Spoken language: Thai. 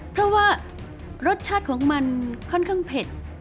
เพราะว่ารสชาติของมันค่อนข้างเผ็ด